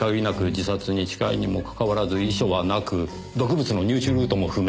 自殺に近いにもかかわらず遺書はなく毒物の入手ルートも不明ですねぇ。